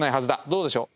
どうでしょう。